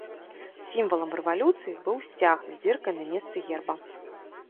Сімвалам рэвалюцыі быў сцяг з дзіркай на месцы герба.